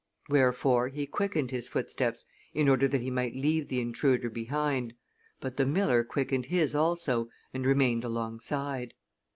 Wherefore, he quickened his footsteps in order that he might leave the intruder behind, but the miller quickened his also and remained alongside.